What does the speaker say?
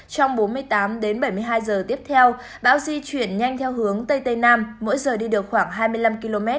trong bốn mươi tám h đến bảy mươi hai h tiếp theo báo di chuyển nhanh theo hướng tây mỗi giờ đi được khoảng hai mươi năm km